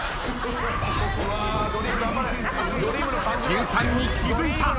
牛タンに気付いた。